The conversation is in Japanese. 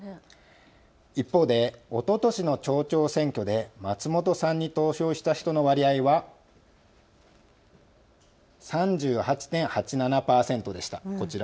一方でおととしの町長選挙で松本さんに投票した人の割合は３８．８７％でした。